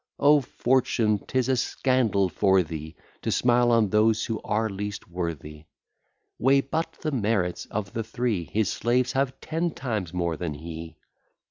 O Fortune! 'tis a scandal for thee To smile on those who are least worthy: Weigh but the merits of the three, His slaves have ten times more than he.